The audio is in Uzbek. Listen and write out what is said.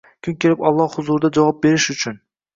Kun kelib Alloh huzurida javob berish uchun